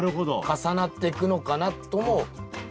重なってくのかなとも。